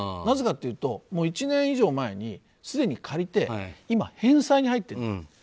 なぜかと言うともう１年以上前に、すでに借りて今、返済に入っている。